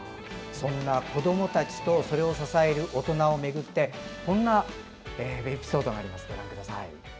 そんな子どもたちとそれを支える大人をめぐってこんなエピソードがあります。